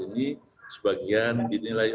ini sebagian dinilai